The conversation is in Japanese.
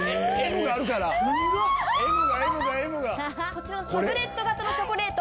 こちらのタブレット型のチョコレート